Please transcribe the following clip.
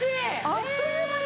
あっという間に！